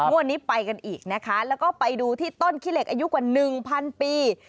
วันนี้ไปกันอีกนะคะแล้วก็ไปดูที่ต้นขี้เหล็กอายุกว่าหนึ่งพันปี